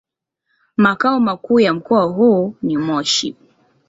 Makao makuu ya mkoa huu ni Moshi.